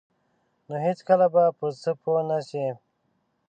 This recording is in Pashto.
نو هیڅکله به په څه پوه نشئ.